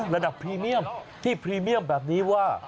พรีเมียมที่พรีเมียมแบบนี้ว่า